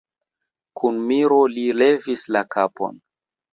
Kun miro li levis la kapon.